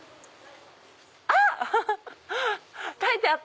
あっ！